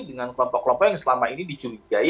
dengan kelompok kelompok yang selama ini dicurigai